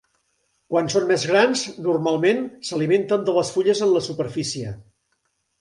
Quan són més grans normalment s'alimenten de les fulles en la superfície.